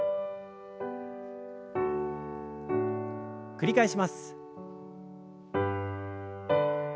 繰り返します。